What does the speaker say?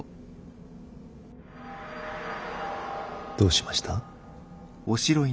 どうしました？